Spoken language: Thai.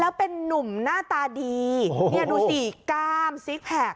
แล้วเป็นนุ่มหน้าตาดีเนี่ยดูสิกล้ามซิกแพค